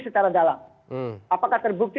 secara dalam apakah terbukti